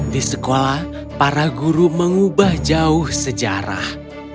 di sekolah para guru mengubah jauh sejarah